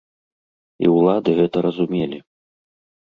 І ўлады гэта разумелі.